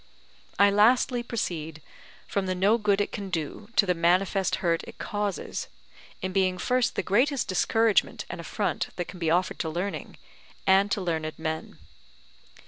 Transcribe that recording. I lastly proceed from the no good it can do, to the manifest hurt it causes, in being first the greatest discouragement and affront that can be offered to learning, and to learned men.